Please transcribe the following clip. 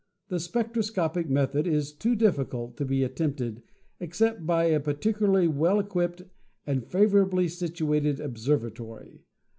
The spectroscopic method is too difficult to be attempted except by a particu larly well equipped and favorably situated observatory.